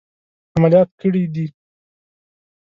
عملیات کړي دي.